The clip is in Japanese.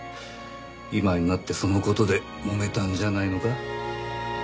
今になってその事でもめたんじゃないのか？